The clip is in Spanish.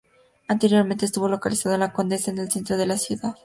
Anteriormente estuvo localizado en la Condesa, en el centro de la ciudad.